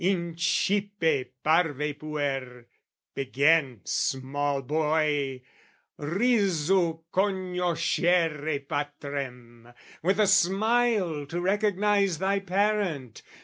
Incipe, parve puer, begin, small boy, Risu cognoscere patrem, with a smile To recognise thy parent!